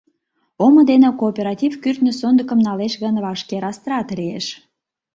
Омо дене кооператив кӱртньӧ сондыкым налеш гын, вашке растрата лиеш.